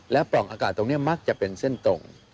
ปล่องอากาศตรงนี้มักจะเป็นเส้นตรง